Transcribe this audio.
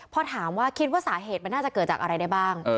พอถามว่าคิดว่าสาเหตุมันน่าจะเกิดจากอะไรได้บ้าง